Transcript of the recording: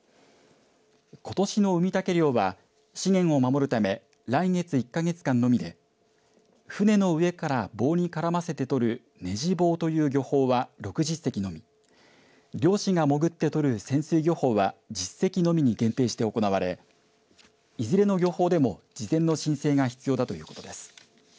ことしのウミタケ漁は資源を守るため来月１か月間のみで船の上から棒に絡ませて取るネジ棒という漁法は６０隻のみ漁師が潜って取る潜水漁法は１０隻のみに限定して行われいずれの漁法でも事前の申請が必要だということです。